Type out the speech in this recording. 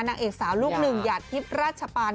นางเอกสาวลูกหนึ่งหยาดทิพย์ราชปาน